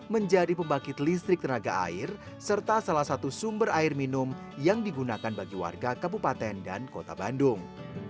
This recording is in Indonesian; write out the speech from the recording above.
menjadi pembangkit listrik tenaga air serta salah satu sumber air minum yang digunakan bagi warga kabupaten dan kota bandung